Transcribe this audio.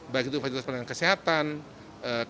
baik itu fakultas pernahkan kesehatan kampus